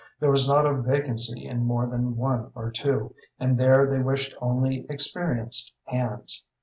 There was not a vacancy in more than one or two, and there they wished only experienced hands.